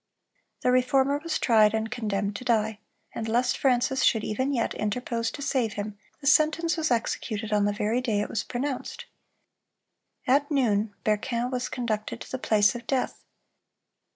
The Reformer was tried, and condemned to die, and lest Francis should even yet interpose to save him, the sentence was executed on the very day it was pronounced. At noon Berquin was conducted to the place of death.